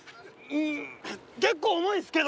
うん結構重いですけど。